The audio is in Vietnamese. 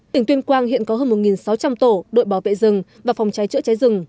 tỉnh tuyên quang hiện có hơn một sáu trăm linh tổ đội bảo vệ rừng và phòng cháy chữa cháy rừng